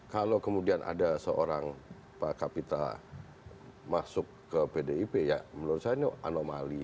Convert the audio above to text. kalau kemudian ada seorang pak kapita masuk ke pdip ya menurut saya ini anomali